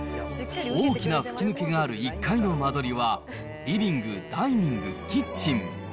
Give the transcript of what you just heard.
大きな吹き抜けがある１階の間取りは、リビング、ダイニング、キッチン。